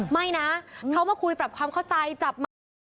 ไม่นะเขามาคุยปรับความเข้าใจจับไมค์